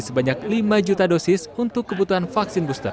sebanyak lima juta dosis untuk kebutuhan vaksin booster